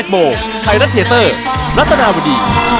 โมงไทยรัฐเทียเตอร์รัตนาวดี